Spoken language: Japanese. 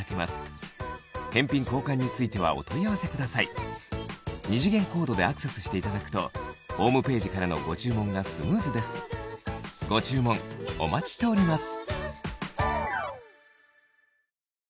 オールシーズン使える二次元コードでアクセスしていただくとホームページからのご注文がスムーズですご注文お待ちしております